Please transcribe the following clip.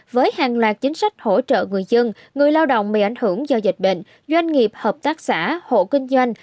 với hàng loạt chính sách hỗ trợ người dân người lao động bị ảnh hưởng do dịch bệnh doanh nghiệp hợp tác xã hộ kinh doanh